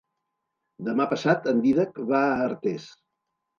Demà passat en Dídac va a Artés.